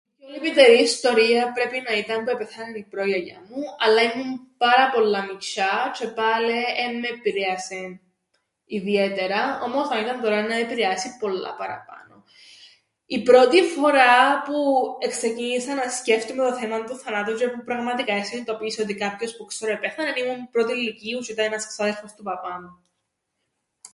Μια λυπητερή ιστορία πρέπει να ήταν που επέθανεν η πρόγιαγιαα μου, αλλά ήμουν πάρα πολλά μιτσ̆ιά τζ̆αι πάλε εν με επηρέασεν ιδιαίτερα, όμως αν ήταν τωρά ήταν να με επηρέασει πολλά παραπάνω. Η πρώτη φορά που εξεκίνησα να σκέφτουμαι το θέμαν του θανάτου τζ̆αι που πραγματικά εσυνειδητοποίησα ότι κάποιος που ξέρω επέθανεν ήμουν πρώτη λυκείου τζ̆αι ήταν ένας ξάδερφος του παπά μου